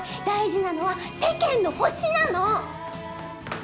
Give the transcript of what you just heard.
大事なのは世間の星なの！